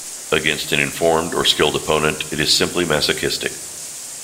Against an informed or skilled opponent, it is simply masochistic.